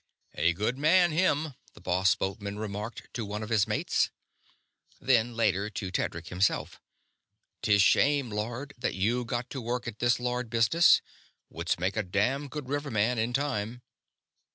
"A good man, him," the boss boatman remarked to one of his mates. Then, later, to Tedric himself: "'Tis shame, lord, that you got to work at this lord business. Wouldst make a damn good riverman in time."